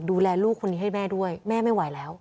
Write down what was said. ดูแลลูกคนนี้ให้แม่ด้วยแม่ไม่ไหวแล้ว